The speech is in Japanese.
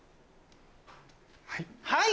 はい！